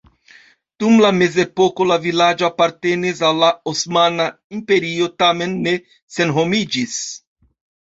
Dum la mezepoko la vilaĝo apartenis al la Osmana Imperio, tamen ne senhomiĝis.